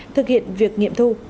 thực hiện việc nghiệm thu